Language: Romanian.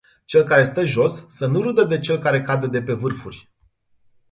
Cel care stă jos, să nu râdă de cel care cade de pe vârfuri.